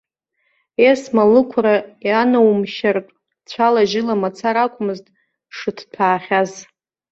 Есма, лықәра иаанаумшьартә, цәала-жьыла мацара акәмызт дшыҭҭәаахьаз.